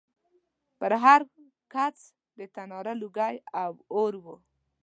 پر هر کڅ د تناره لوګی او اور و